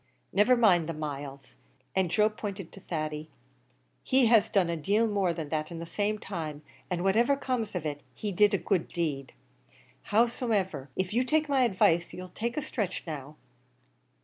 "Niver mind the miles; he" and Joe pointed to Thady "he has done a deal more than that in the same time an' whatever comes of it, he did a good deed. Howsomever, if you'll take my advice, you'll take a stretch now.